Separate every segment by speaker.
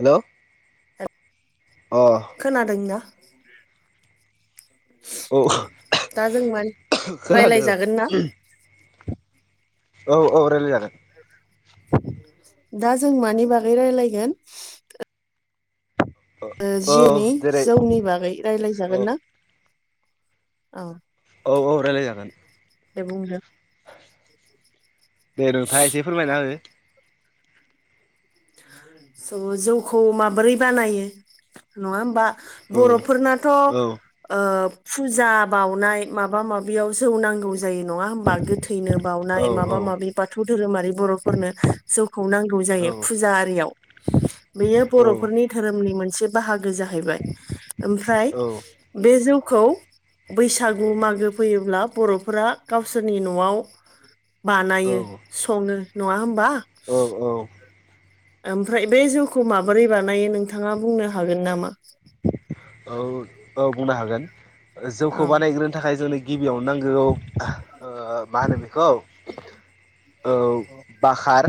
Speaker 1: [inaudible] हेल'
Speaker 2: [unintelligible] खोनादोंना?
Speaker 1: औ
Speaker 2: दा जों मान
Speaker 1: खोनादों
Speaker 2: रायलायजागोन ना?
Speaker 1: औ औ रायलायजागोन
Speaker 2: दा जों मानि बागै रायलायगोन? ओ
Speaker 1: औ
Speaker 2: जेनि
Speaker 1: जेरै
Speaker 2: जौनि बागै
Speaker 1: औ
Speaker 2: रायलायजागोन ना औ
Speaker 1: औ औ रायलायजागोन
Speaker 2: दे बुंदो।
Speaker 1: दे नोंथाङा एसे फोरमायना हो
Speaker 2: स' जौखौ माबोरै बानायो नङा होमबा
Speaker 1: हो
Speaker 2: बर'फोरनाथ' ओ
Speaker 1: औ
Speaker 2: फुजा बाउनाय माबा माबियाव जौ नांगौ जायो नङा होमबा गोथैनो बावनाय
Speaker 1: औ
Speaker 2: माबा माबि बाथौ धोरोमारि बर'फोरनो जौखौ नांगौ
Speaker 1: औ
Speaker 2: जायो फुजा आरियाव बेयो बर'फोरनि धोरोमनि मोनसे बाहाग गो जाहैबाय ओमफ्राय बे जौ खौ बैसागु मागो फैयोब्ला बर'फोरा गावसोरनि न'आव बानायो सङो नङा होम
Speaker 1: औ औ
Speaker 2: ओमफ्राय बे जौखौ माबोरै बानायो नोंथाङा बुंनो हागोन नामा?
Speaker 1: औ औ बुंनो हागोन जौखौ
Speaker 2: औ
Speaker 1: बानायग्रोनो थाखाय जोंनो गिब बियावनो नांगौ ओ मा होनो बिखौ। औ बाखार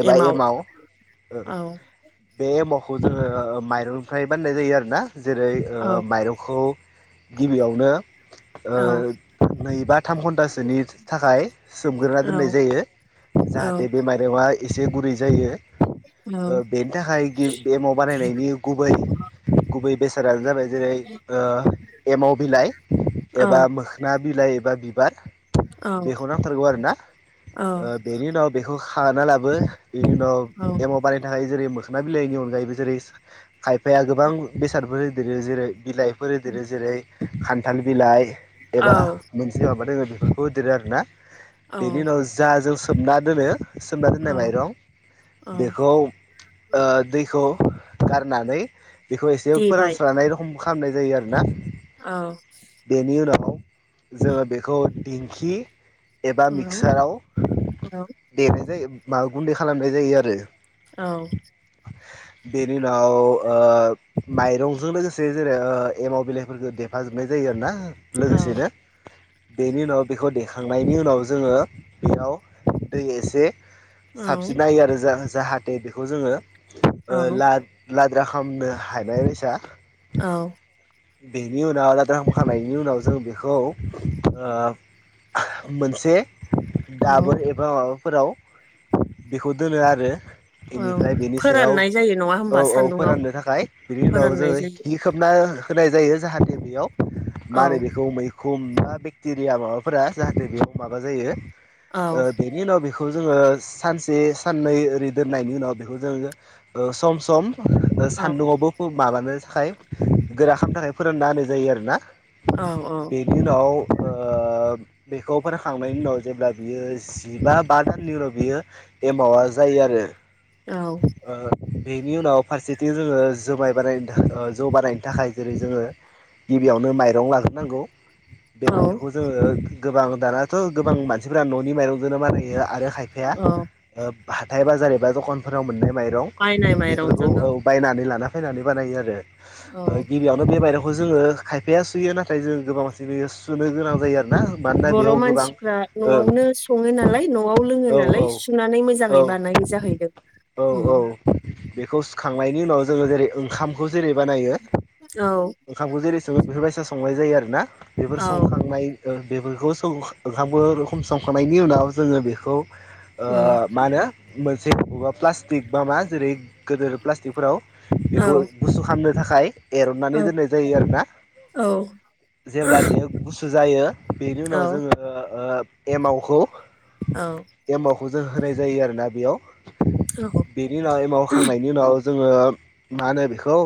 Speaker 1: एबा एमाव
Speaker 2: औ
Speaker 1: बे एमावखौ जोङो माइरंनिफ्राय बाननाय जायो आरोना जेरै ओ
Speaker 2: औ
Speaker 1: माइरंखौ गिबियावनो ओ
Speaker 2: औ
Speaker 1: नै बा थाम घन्टासोनि थाखाय । सोमग्रोना
Speaker 2: औ
Speaker 1: दोननाय जायो। जाहाते बे माइर'ङा एसे गुरै जायो
Speaker 2: औ
Speaker 1: ओ बेनि थाखाय गिब एमाव बानायनायनि गुबै गुबै बेसादानो जाबाय जेरै ओ एमाव बिलाइ
Speaker 2: औ
Speaker 1: एबा मोखना बिलाइ एबा बि बार बेखौ नांथारगौ आरोना
Speaker 2: औ
Speaker 1: ओ बेनि उनाव बेखौ खानालाबो बिनि उनाव एमाव बानायनो थाखाय जेरै मोखना बिलाइनि अनगायैबो जेरै खायफाया गोबां बेसादफोर होदेरो जेरै बिलाइफोर होदेरो जेरै खान्थाल बिलाइ एबा मोनसे माबा दोङो बेफोरखौ होदेरो आरोना
Speaker 2: औ
Speaker 1: बेनि उनाव जा जों सोमना दोनो सोमना दोननाय माइरं
Speaker 2: औ
Speaker 1: बेखौ ओ दै खौ गारनानै बेखौ एसे
Speaker 2: देबाय
Speaker 1: फोरानस्रानाय रखम खामनाय जायो आरोना
Speaker 2: औ
Speaker 1: । बेनि उनाव जोङो बेखौ दिंखि एबा
Speaker 2: औ
Speaker 1: मिक्साराव
Speaker 2: औ
Speaker 1: देनाय जायो माबा गुन्दै खालामनाय जायो आरो ।
Speaker 2: औ।
Speaker 1: बेनि उनाव ओ माइरंजों लोगोसे जेरै एमाव बिलाइफोरखौ देफाजोबनाय जायो । जायो आरोना
Speaker 2: औ
Speaker 1: लोगोसेनो । बेनि उनाव बेखौ देखांनायनि उनाव जोङो बेयाव दै एसे ।
Speaker 2: औ
Speaker 1: साबसिन नायो आरो जा जाहाथे बेखौ जोङो ओ ला ला [unintelligible]
Speaker 2: औ।
Speaker 1: बेनि उनाव राद्रां फानायनि उनाव जों बेखौ ओ मोनसे। दाबो एबा माबाफोराव बेखौ दोनो आरो ।
Speaker 2: औ
Speaker 1: बेनिफ्राय बेनि सायाव
Speaker 2: फोराननाय जायो नङा
Speaker 1: औ
Speaker 2: होमबा
Speaker 1: औ
Speaker 2: सान्दुङाव
Speaker 1: फोराननो थाखाय बिनि उनाव
Speaker 2: फोराननाय
Speaker 1: जोङो
Speaker 2: जायो
Speaker 1: खि खोबना होनाय जायो जाहाथे बेयाव
Speaker 2: औ
Speaker 1: मारै बेखौ मै खुमा बेक्टेरिया माबाफोरा जाहाथे बेयाव माबा जायो
Speaker 2: औ
Speaker 1: बेनि उनाव बेखौ -खौ जोङो सानसे साननै ओरै दोननायनि उनाव बेखौ जोङो सम सम
Speaker 2: औ
Speaker 1: सान्दुंङावबो माबानो थाखाय गोरा खालामनो थाखाय फोरानना होनाय जायो आरोना
Speaker 2: औ
Speaker 1: बेनि उनाव ओ बेखौ फोराखांनायनि उनाव जेब्ला बियो जिबा बा दाननिल' बियो एमावा जायो आरो
Speaker 2: औ।
Speaker 1: ओ बेनि उनाव फारसेथिं जोङो जुमाय बानायनो थाखाय जौ बानायनो थाखाय जेरै जोङो गिबियावनो माइरं लाग्रोनांगौ बे
Speaker 2: औ
Speaker 1: माइरंखौ जोङो गोबां दानाथ' गोबां मानसिफोरा न'नि माइरंजोंनो बानायो आरो खायफाया
Speaker 2: औ
Speaker 1: ओ हाथाय बाजार एबा द'खान फोराव मोननाय माइरं
Speaker 2: बायनाय
Speaker 1: बेफोरखौ
Speaker 2: माइरंजों औ
Speaker 1: बायनानै औ लाना फैनानै बानायो आरो
Speaker 2: औ
Speaker 1: । गिबियावनो बे बाइरंखौ जोङो खायफाया सुयो नाथाय जों गोबां मानसि बेयो सुनो गोनां जायो आरो ।
Speaker 2: बर' मानसिफ्रा न'आवनो सङो नालाय न'आव लोङो
Speaker 1: औ
Speaker 2: नालाय सुनानै
Speaker 1: औ
Speaker 2: मोजाङै बानाय यो जाहैदों ।
Speaker 1: औ औ बेखौ सुखांनायनि उनाव जोङो जेरै- ओंखामखौ जेरै बानायो
Speaker 2: औ
Speaker 1: ओंखामखौ जेरै सङो बेफोरबायसा संनाय जायो आरो ना । बेफोर
Speaker 2: औ
Speaker 1: संखांनाय ओ बेफोरखौ सं ओंखामखौ बेफोरखम संखांनायनि उनाव जोङो बेखौ ओ
Speaker 2: उम
Speaker 1: मा होनो मोनसे बबेबा प्लास्टिक बा मा जेरै गोदोर प्लास् खथिफोराव
Speaker 2: औ
Speaker 1: बेखौ गुसु खालामामनो थाखाय
Speaker 2: औ
Speaker 1: एरननानै दोननाय जायो आरो ना । जेब्ला बेयो गुसु जायो बेनि
Speaker 2: औ
Speaker 1: उनाव जोङो ओ एमावखौ
Speaker 2: औ
Speaker 1: खौ जों होनाय जायो आरोना बेयाव
Speaker 2: औ
Speaker 1: बेनि उनाव एमाव‌ होखांनायनि उनाव जोङो मा होनो बेखौ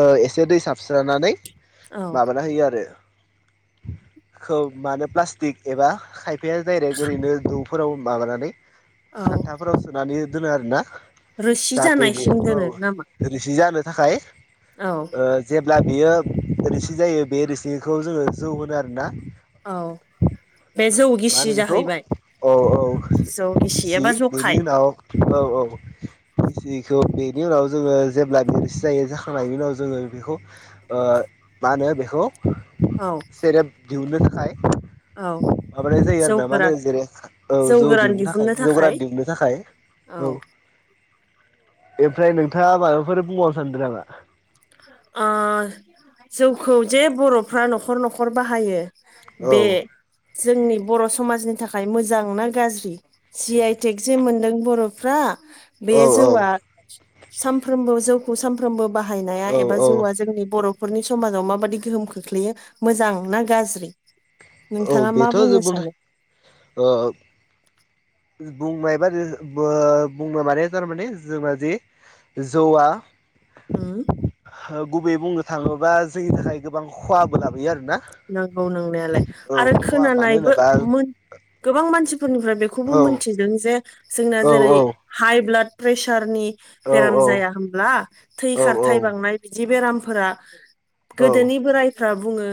Speaker 1: ओ एसे दै साबस्रनानै
Speaker 2: औ
Speaker 1: माबाना होयो आरो ।
Speaker 2: [inaudible]
Speaker 1: खौ मा होनो प्लास्टिक एबा खायफाया दायरेक्ट ओरैनो दौ फोराव माबानानै
Speaker 2: औ
Speaker 1: हाथाफोराव सोनानै दोनो आरोना
Speaker 2: रोसि
Speaker 1: जाहाथे बे
Speaker 2: जानायसिम दोनो नामा
Speaker 1: औ रोसि जानो थाखाय
Speaker 2: औ
Speaker 1: ओ जेब्ला बियो रिसि जायो बे रिसिखौ जोङो जौ होनो आरो ना ।
Speaker 2: औ बे जौ गिसि
Speaker 1: होनो बेखौ
Speaker 2: जाहैबाय ।जौ गिसिया
Speaker 1: बि बेनि उनाव औ औ बेखौ बेनि उनाव जोङो जेब्ला बे रोसि जायो जाखांनायनि उनाव जोङो बेखौ ओ मा होनो बेखौ
Speaker 2: औ
Speaker 1: सेरेब दिहुननो थाखाय
Speaker 2: औ
Speaker 1: माबानाय जायो आरो
Speaker 2: जौ
Speaker 1: ना माने
Speaker 2: गोरान
Speaker 1: जेरै औ जौ दिहुननो थाखाय जौ गोरान दिहुननो थाखाय औ ओमफ्राय नोंथाङा माबाफोर बुंबावनो सानदों नामा?
Speaker 2: ओ जौखौ जे बर'फ्रा न'खर-न'खर बाहायो
Speaker 1: औ
Speaker 2: बे जोंनि बर' समाजनि थाखाय मोजां ना गाज्रि? जि आइ टेक जे मोनदों बर'फ्रा बे
Speaker 1: औ औ
Speaker 2: जौआ सानफ्रोमबो जौखौ सानफ्रोमबो बाहायनाय
Speaker 1: औ
Speaker 2: एबा
Speaker 1: औ
Speaker 2: जौआ जोंनि बर'फोरनि समाजाव माबादि गोहोम खोख्लैयो मोजां ना गाज्रि?
Speaker 1: औ
Speaker 2: नोंथाङा मा
Speaker 1: बेथ'
Speaker 2: बुंनो
Speaker 1: जोबबाथाय
Speaker 2: सानो
Speaker 1: ओ बुंबाय एबा ओ बो बुंनो माने थारमाने जोंना जे जौ आ
Speaker 2: उम
Speaker 1: गुबैयै बुंनो थाङोबा जोंनि थाखाय गोबां खहाबो लाबोयो आरो
Speaker 2: नंगौ नंनायालाय आरो
Speaker 1: खहा मानो
Speaker 2: खोनानायबो
Speaker 1: होनोबा
Speaker 2: मोन गोबां मानसिफोरनिफ्राय बे बे खौबो
Speaker 1: औ
Speaker 2: मिथिदों जे जोंना
Speaker 1: औ
Speaker 2: जेरै हाइ ब्लाड प्रेसारनि
Speaker 1: औ
Speaker 2: बेराम जाया होनोमब्ला? थै
Speaker 1: औ
Speaker 2: खारथाय बांनाय बिदि बेरामफोरा गोदोनि बोरायफ्रा बुङो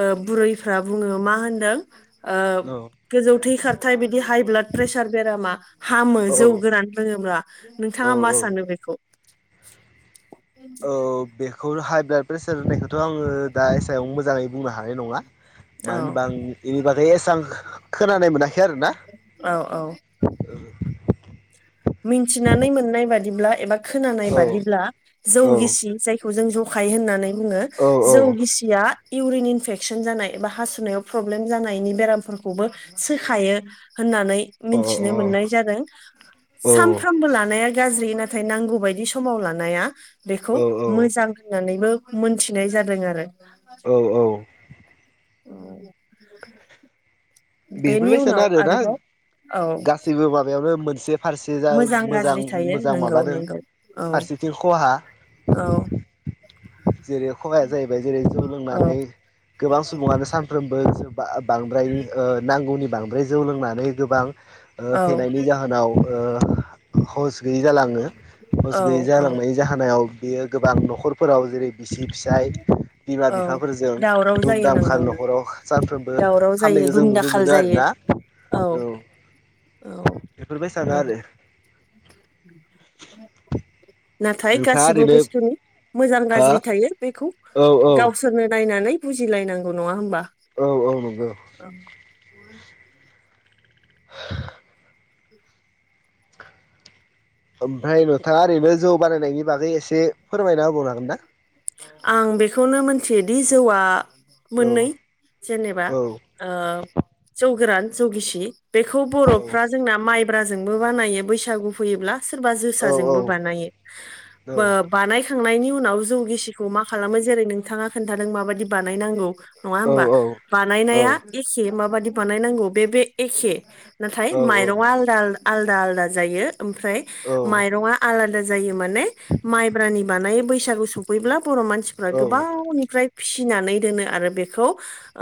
Speaker 2: ओ बुरैफ्रा बुङो मा होनदों ओ
Speaker 1: औ
Speaker 2: गोजौ थै खारथाय बिदि हाइ ब्लाद प्रेसार बेरामा हामो
Speaker 1: औ
Speaker 2: जौ गोरान लोङोब्ला नों नोंथाङा मा
Speaker 1: औ
Speaker 2: सानो बेखौ?
Speaker 1: औ बेखौ हाइ ब्लाड प्रेसार होननायखौथ' आङो दा सायाव मोजाङै बुंनो हानाय नङा ।
Speaker 2: औ
Speaker 1: मानो होनबा आं बेनि बागै एसां खोनानाय मोनाखै आरो ना
Speaker 2: औ
Speaker 1: ।
Speaker 2: [inaudible] मिथिनानै मोननाय बादिब्ला एबा खोनानाय
Speaker 1: औ
Speaker 2: बादिब्ला जौ
Speaker 1: औ
Speaker 2: गिसि जायखौ जों जौ खाय होननानै बुङो
Speaker 1: औ औ
Speaker 2: जौ गिसिया इउरिन इनफेकसन जानाय बा हासुनायाव प्रब्लेम जानायनि बेरामफोरखौबो सोखायो होननानै
Speaker 1: अ
Speaker 2: मिथिनो मोननाय जादों
Speaker 1: औ
Speaker 2: सानफ्रोमबो लानाय गाज्रि नाथाय नांगौ बादि समाव लानाया बेखौ
Speaker 1: औ
Speaker 2: मोजां होननानैबो मोनथिनाय जादों आरो
Speaker 1: औ औ
Speaker 2: औ [unintelligible]
Speaker 1: बेफोरबायसयानो आरोना
Speaker 2: औ
Speaker 1: गासैबो माबायावनो मोनसे फारसे जा
Speaker 2: मोजां गाज्रि थायो
Speaker 1: मोजां
Speaker 2: नंगौ
Speaker 1: माबादों
Speaker 2: नंगौ औ
Speaker 1: फारसेथिं खहा
Speaker 2: औ
Speaker 1: जेरै खहाया जाहैबाय जेरै जौ
Speaker 2: औ
Speaker 1: लोंनानै गोबां सुबुङानो सानफ्रोमबो बांद्राय नांगौनि बांद्राय जौ लोंनानै गोबां
Speaker 2: औ
Speaker 1: फेनायनि जाहोनाव हुस गैयै जालाङो हुस
Speaker 2: औ
Speaker 1: गैयै
Speaker 2: औ
Speaker 1: जालांनाय जाहोनाव बियो गोबां न'खरफोराव जेरै बिसि फिसाय बिमा
Speaker 2: औ
Speaker 1: बिफाफोरजों
Speaker 2: दावराव
Speaker 1: दुम
Speaker 2: जायो
Speaker 1: दामखा
Speaker 2: नांगौ नंगौ
Speaker 1: न'खराव सानफ्रोमबो
Speaker 2: दावराव जायो
Speaker 1: खामनायखौ जों
Speaker 2: दुम
Speaker 1: नुनो
Speaker 2: दाखाल
Speaker 1: मोनो
Speaker 2: जायो
Speaker 1: आरोना औ
Speaker 2: औ
Speaker 1: बेफोरबायसानो
Speaker 2: [unintelligible]
Speaker 1: आरो
Speaker 2: नाथाय
Speaker 1: नोंथाङा
Speaker 2: गासिबो
Speaker 1: ओरैनो
Speaker 2: बुस्थुनि मोजां
Speaker 1: हा
Speaker 2: गाज्रि थायो बेखौ
Speaker 1: औ औ
Speaker 2: गावसोरनो नायनानै बुजिलायनांगौ नङा होनबा
Speaker 1: औ औ नंगौ
Speaker 2: म [inaudible]
Speaker 1: [inaudible] ओमफ्राय नोंथाङा ओरैनो जौ बानायनायनि बागै एसे फोरमायना होबावनो हागोनदा
Speaker 2: आं बेखौनो मिथियो दि जौआ
Speaker 1: औ
Speaker 2: मोननै जेनेबा
Speaker 1: औ
Speaker 2: ओ जौ गोरान जौ गिसि बेखौ
Speaker 1: औ
Speaker 2: बर'फ्रा जोंना माइब्राजोंबो बानायो बैसागु फैयोब्ला सोरबा
Speaker 1: औ
Speaker 2: जोसाजोंबो बानायो
Speaker 1: औ
Speaker 2: बानायखांनायनि उनाव जौ गिसि खौ मा खालामो जेरै नोंथाङा खोन्थादों माबायदि बानायनांगौ नङा
Speaker 1: औ
Speaker 2: होमबा
Speaker 1: औ
Speaker 2: बानायनाया एखे माबादि बानायनांगौ बे बे एखे नाथाय माइरङा आलादा आलादा आलदा जायो ओमफ्राय माइरङा आलादा जायो माने माइब्रानि बानायो बैसागु सफैब्ला बर' मानसिफ्रा गोबावनिफ्राय फिसिनानै दोनो आरो बेखौ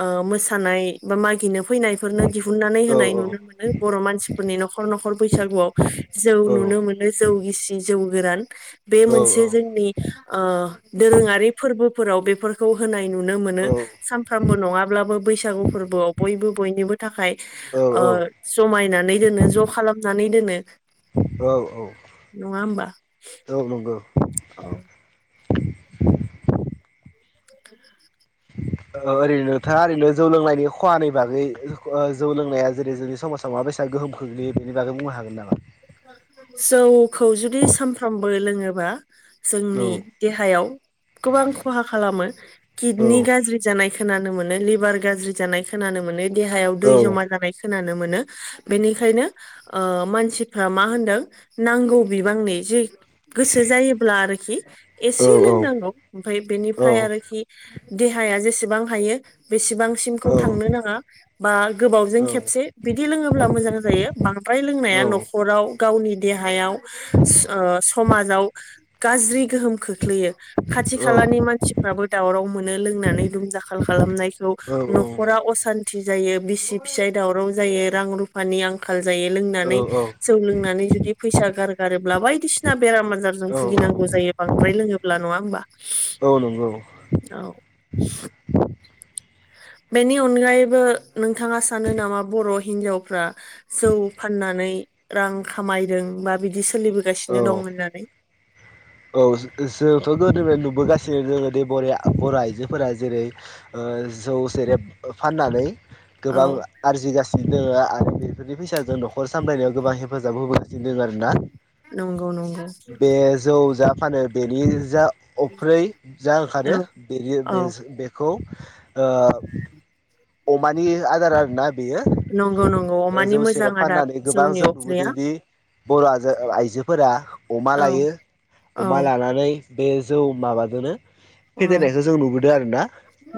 Speaker 2: ओ मोसानाय बा मागिनो फैनायफोरनो दिहुननानै होनाय नुनो मोनो। बर' मानसिफोरनि न'खर न'खर बैसागुआव जौ नुनो नुनो मोनो जौ गिसि, जौ गोरान। बे मोनसे जोंनि दोरोङारि फोरबोफोराव बेफोरखौ होनाय नुनो मोनो सानफ्रामबो नङाब्लाबो बैसागु फोरबोआव बयबो बयनिबो थाखाय ओ जायनानै दोनो ज' खालामनानै दोनो।
Speaker 1: औ औ
Speaker 2: नङा होमबा
Speaker 1: औ नंगौ।
Speaker 2: औ
Speaker 1: [inaudible]
Speaker 2: [inaudible]
Speaker 1: ओरैनो नोंथाङा ओरैनो जौ लोंनायनि खहानि बागै जौ लोंनाया जेरै जोंनि समाजाव माबायसा गोहोम खोख्लैयो बेनि बागै बुंनो हागोन नामा
Speaker 2: जौखौ जुदि सानफ्रामबो लोङोबा
Speaker 1: औ
Speaker 2: जोंनि देहायाव गोबां खहा खालामो
Speaker 1: औ
Speaker 2: किडनि गाज्रि जानाय खोनानो मोनो लिभार गाज्रि जानाय खोनानो मोनो देहायाव दै
Speaker 1: औ
Speaker 2: जमा जानाय खोनानो मोनो बेनिखायनो ओ मानसि मा होनदों नांगौ बिबांनि जि गोसो जायोब्ला आरोखि एसे
Speaker 1: औ
Speaker 2: लोंनांगौ। ओमफ्राय
Speaker 1: औ
Speaker 2: बेनिफ्राय आरोखि देहाया जेसेबां हायो बेसेबांसिमखौ
Speaker 1: औ
Speaker 2: थांनो नाङा बा गोबावजों खेबसे बिदि लोङोब्ला मोजां जायो। बांद्राय लोंनाया न'खराव गावनि देहायाव समाजाव गाज्रि। गोहोम खोख्लैयो खाथि खालानि मानसिफ्राबो दावराव मोनो लोंनानै दुम दाखाल खालामनायखौ।
Speaker 1: औ
Speaker 2: न'खरा असान्थि। जायो बिसि फिसाय दावराव जायो, रां रुफानि आंखाल जायो,
Speaker 1: औ
Speaker 2: लोंनानै।
Speaker 1: औ
Speaker 2: जौ लोंनानै जुदि फैसा गारगारोब्ला बायदिसिना बेराम आजारजों
Speaker 1: औ औ
Speaker 2: भुगिनांगौ जायो बांद्राय लोङोब्ला नङा। होमबा
Speaker 1: औ नंगौ
Speaker 2: औ। [inaudible] बेनि अनगायैबो नोंथाङा सानो नामा बर' हिनजावफ्रा जौ फाननानै। रां खामायदों बा बिदि
Speaker 1: औ
Speaker 2: सोलिबोगासिनो दं होननानै?
Speaker 1: औ जोंथ' गोदोनिफ्रायनो नुबोगासिनो। जोङो बर' बर' आइजोफोरा जेरै जौ सेरेब फाननानै। गोबां
Speaker 2: औ
Speaker 1: आरजिगासिनो दङ आरो बेफोरनि फैसाजों न'खर सामलायनायाव गोबां हेफाजाब होबोदों। [unintelligible] आरोना
Speaker 2: नंगौ नंगौ
Speaker 1: बे जौ जा फानो बेनि जा। अफ्रै जा ओंखारो
Speaker 2: औ
Speaker 1: बेनि
Speaker 2: औ
Speaker 1: बे-बे- बेखौ।
Speaker 2: [inaudible]
Speaker 1: अमानि आदार आरो ना। बेयो
Speaker 2: नंगौ नंगौ अमानि
Speaker 1: जौ
Speaker 2: मोजां
Speaker 1: सेरेब
Speaker 2: आदार
Speaker 1: फाननानै गोबां
Speaker 2: जौनि
Speaker 1: जों
Speaker 2: अफ्रिया
Speaker 1: नुबोदोंदि। बर' आइजोफोरा अमा
Speaker 2: औ
Speaker 1: लायो
Speaker 2: औ
Speaker 1: अमा लानानै। बे जौ माबाजोनो।
Speaker 2: औ
Speaker 1: फेदेरनायखौ जों नुबोदों आरोना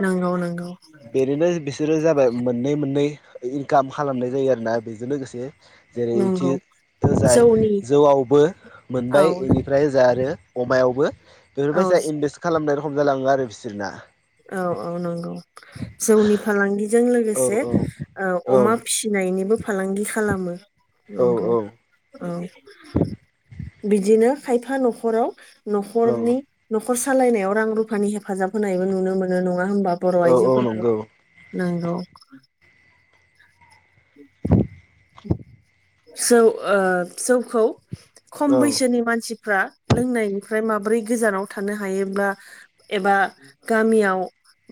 Speaker 2: नंगौ नंगौ
Speaker 1: बेनिनो। बिसोरो जाबाय मोननै मोननै। काम खालामनाय जायो आरोना बेजों लोगोसे जेरै इथि
Speaker 2: नंगौ
Speaker 1: ओजाय
Speaker 2: जौनि
Speaker 1: जौआवबो
Speaker 2: औ
Speaker 1: मोनबाय बेनिफ्राय ओजा आरो। अमायावबो
Speaker 2: औ
Speaker 1: बेफोरबायसा इनभेस्ट खालामनाय रखम जालाङो आरो बिसोरना।
Speaker 2: औ औ नंगौ जौनि फालांगि। जों
Speaker 1: औ
Speaker 2: लोगोसे
Speaker 1: औ औ
Speaker 2: अमा फिसिनायनिबो। फालांगि खालामो
Speaker 1: औ
Speaker 2: नंगौ औ बिदिनो। खायफा न'खराव
Speaker 1: औ
Speaker 2: नखरनि न'खर सालायनायाव रां रुफानि हेफाजाब होनायबो नुनो। मोनो नङा होमबा बर
Speaker 1: औ औ
Speaker 2: आइजोफोरखौ।
Speaker 1: नंगौ
Speaker 2: नोंगौ।
Speaker 1: [unintelligible]
Speaker 2: जौ ओ जौखौ खम
Speaker 1: औ
Speaker 2: बैसोनि मानसिफ्रा लोंनायनिफ्राय माबोरै गोजानाव थानो हायोब्ला एबा गामियाव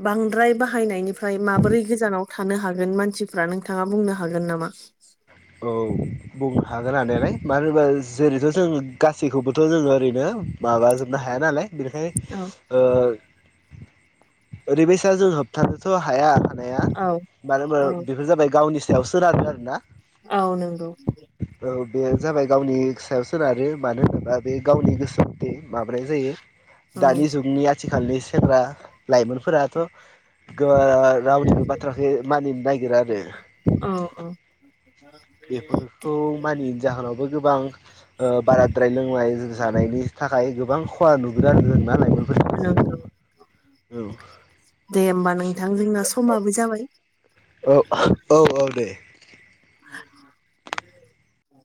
Speaker 2: बांद्राय बाहायनाय निफ्राय माबोरै गोजानाव थानो हागोन मानसिफ्रा नोंथाङा बुंनो हागोन नामा।
Speaker 1: औ। बुंनो हागोन हानायालाय मानो होनबा जेरैथ जों गासैखौबोथ जोङो ओरैनो। माबाजोबनो हाया नालाय बेनिखायनो
Speaker 2: औ
Speaker 1: ओ। ओरैबायसा जों होबथानोथ हाया। नाया
Speaker 2: औ
Speaker 1: मानो होनबा
Speaker 2: औ
Speaker 1: बेफोर जाबाय गावनि सायाव सोनारो आरोना।
Speaker 2: औ नोंगौ।
Speaker 1: औ बे जाबाय गावनि सायाव सोनारो मानो होनोब्ला बे गावनि गोसो मथे माबानाय जायो।
Speaker 2: औ
Speaker 1: दानि जुगनि आथिखालनि सेंग्रा लाइमोनफोराथ गो। बांङा रावनिबो बाथ्राखौ मानिनो नागिरा आरो।
Speaker 2: औ औ
Speaker 1: बेफोरखौ मानियैनि जाहोनावबो गोबां। ओ बाराद्राय लोंनाय जानायनि थाखाय गोबां खहा नुगोन आरो नालाय।
Speaker 2: नोंगौ दे होमबा नोंथां जोंना समाबो जाबाय।
Speaker 1: औ औ औ दे।